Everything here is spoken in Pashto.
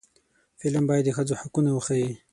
فلم باید د ښځو حقونه وښيي